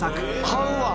「買うわ！」